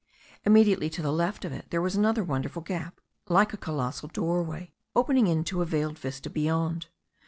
Immediately to the left of it there was another wonderful gap, like a colossal doorway, opening into a veiled vista beyond.